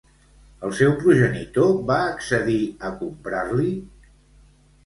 El seu progenitor va accedir a comprar-li?